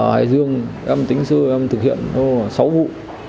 hải dương em tính sơ em thực hiện sáu vụ